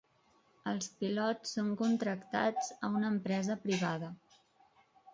Els pilots són contractats a una empresa privada.